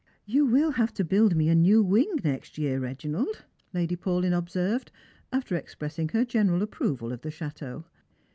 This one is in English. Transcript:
" You will have to build me a new wing next year, Reginald," Jjady Paulyn observed, after expressing her general approval of the chateau.